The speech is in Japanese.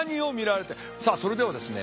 さあそれではですね